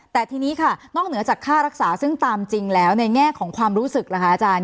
แต่ทีนี้ค่ะนอกเหนือจากค่ารักษาซึ่งตามจริงแล้วในแง่ของความรู้สึกล่ะคะอาจารย์